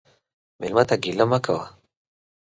مېلمه ته ګیله مه کوه.